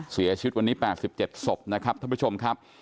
เสียชีวิตวันนี้๘๗ศพนะครับท่านผู้ชมครับ